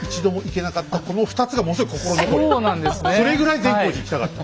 それぐらい善光寺に行きたかった。